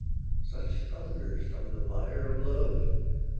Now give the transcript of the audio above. Such thunders from the lyre of love!